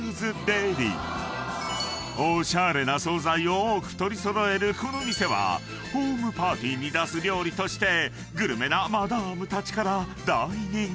［おしゃれな惣菜を多く取り揃えるこの店はホームパーティーに出す料理としてグルメなマダムたちから大人気］